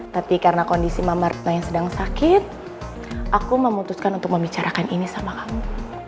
tapi karena kondisi mamarna yang sedang sakit aku memutuskan untuk membicarakan ini sama kamu